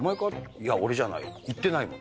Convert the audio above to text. いや、俺じゃない、行ってないもん。